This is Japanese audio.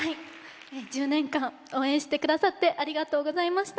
１０年間応援してくださってありがとうございました。